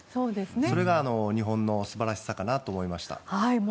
それが日本の素晴らしさかなと思いました。